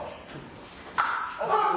あっ！